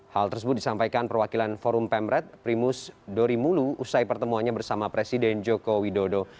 hal tersebut disampaikan perwakilan forum pemret primus dorimulu usai pertemuannya bersama presiden joko widodo